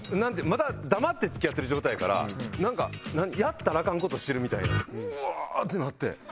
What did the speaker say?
まだ黙って付き合ってる状態やからなんかやったらアカン事してるみたいなうわー！ってなって。